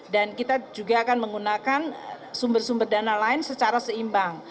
dan kita juga akan menggunakan sumber sumber dana lain secara seimbang